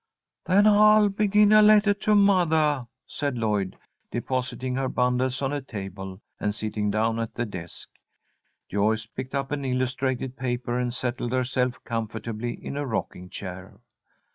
"Then I'll begin a lettah to mothah," said Lloyd, depositing her bundles on a table, and sitting down at the desk. Joyce picked up an illustrated paper and settled herself comfortably in a rocking chair.